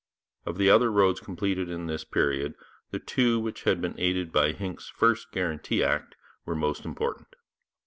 Of the other roads completed in this period, the two which had been aided by Hincks's first Guarantee Act were most important.